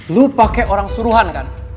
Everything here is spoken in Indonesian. lo pake orang suruhan kan